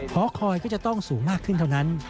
หอคอยก็จะต้องสูงมากขึ้นเท่านั้น